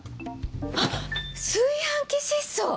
あっ炊飯器失踪！